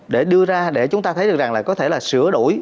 để đưa ra để chúng ta thấy được rằng là có thể là sửa đổi